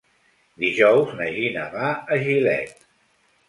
Dijous na Gina va a Gilet.